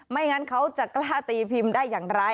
งั้นเขาจะกล้าตีพิมพ์ได้อย่างไร